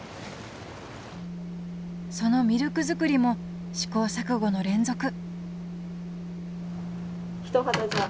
そのミルク作りも試行錯誤の連続